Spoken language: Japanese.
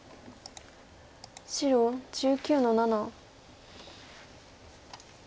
白１９の七。